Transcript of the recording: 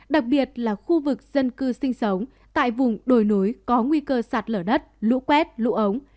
đặc biệt là khu vực dân cư sinh sống tại vùng đồi núi có nguy cơ sạt lở đất lũ quét lũ ống